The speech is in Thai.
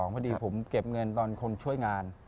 พอดีผมเก็บเงินตอนคนช่วยงาน